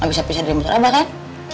gak bisa pisah dari motor abah kan